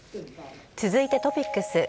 続いてトピックス。